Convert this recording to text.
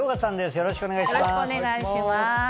よろしくお願いします。